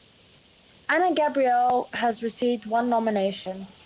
Ana Gabriel has received one nomination.